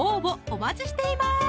お待ちしています